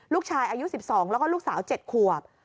ลูกชายอายุสิบสองแล้วก็ลูกสาวเจ็ดขวบ